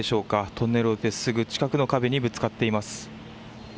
トンネルを出てすぐ近くの壁にぶつかっています。